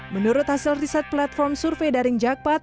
menurut hasil riset platform survei daring jakpat